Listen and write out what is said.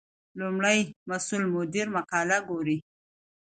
لومړی مسؤل مدیر مقاله ګوري.